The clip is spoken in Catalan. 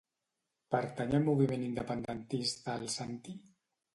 Pertany al moviment independentista el Santi?